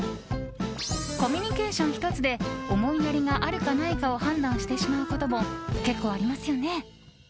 コミュニケーション１つで思いやりがあるかないかを判断してしまうことも結構ありますよね。